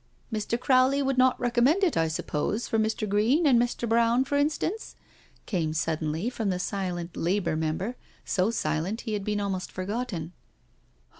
"Mr. Crowley would not recommend it, I suppose, for Mr. Greene and Mr. Browne, for instance?" came suddenly from the silent Labour Member— so silent he had been almost forgotten.